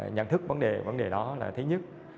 nhận thức vấn đề đó là thứ nhất